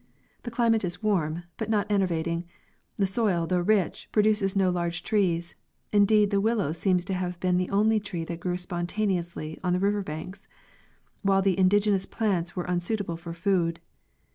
The climate is warm but not enervating; the soil, though rich, » produces no large trees—indeed the willow seems to have been the only tree that grew spontaneously on the river banks,— while the indigenous plants were unsuitable for food.